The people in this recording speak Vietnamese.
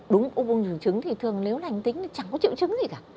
đúng u bùng trứng thì thường nếu lành tính chẳng có triệu trứng gì cả